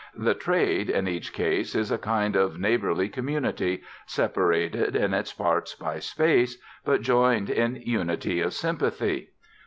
The "trade" in each case is a kind of neighbourly community, separated in its parts by space, but joined in unity of sympathy.